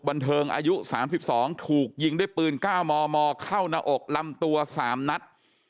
บันเทิงอายุ๓๒ถูกยิงด้วยปืน๙มมเข้าหน้าอกลำตัว๓นัด